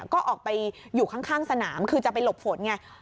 ก็ออกไปอยู่ข้างสนามคือจะไปหลบฝนไง